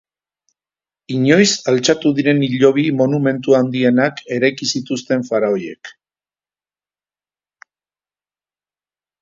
Inoiz altxatu diren hilobi monumentu handienak eraiki zituzten faraoiek.